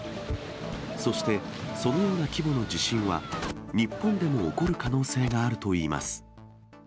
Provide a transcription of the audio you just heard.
そしてそのような規模の地震は、日本でも起こる可能性があるといいます。